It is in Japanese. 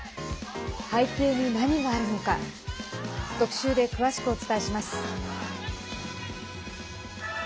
背景に何があるのか特集で詳しくお伝えします。